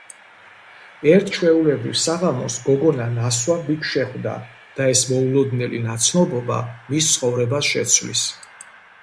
ერთ ჩვეულებრივ საღამოს გოგონა ნასვამ ბიჭს შეხვდება, და ეს მოულოდნელი ნაცნობობა მის ცხოვრებას შეცვლის.